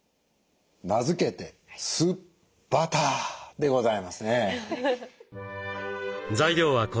名付けて「酢バター」でございますね。